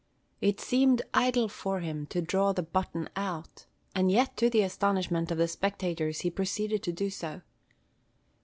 It seemed idle for him to draw the button out; and yet, to the astonishment of the spectators, he proceeded to do so.